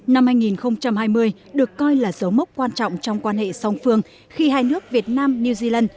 năm hai nghìn hai mươi được coi là dấu mốc quan trọng trong quan hệ song phương khi hai nước việt nam new zealand